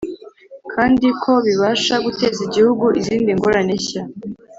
kandi ko bibasha guteza igihugu izindi ngorane nshya